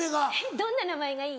どんな名前がいい？